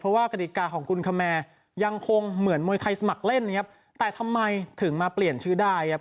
เพราะว่ากฎิกาของกุลคแมร์ยังคงเหมือนมวยใครสมัครเล่นนะครับแต่ทำไมถึงมาเปลี่ยนชื่อได้ครับ